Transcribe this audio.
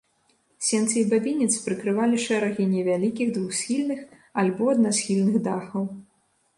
Сенцы і бабінец прыкрывалі шэрагі невялікіх двухсхільных або аднасхільных дахаў.